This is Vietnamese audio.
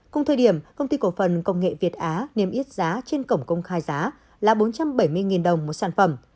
cùng thời điểm công ty cổ phần công nghệ việt á niêm yết giá trên cổng công khai giá là bốn trăm bảy mươi đồng một sản phẩm